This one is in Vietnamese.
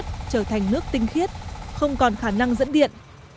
trở thành nước tinh khiết không còn khả năng dẫn điện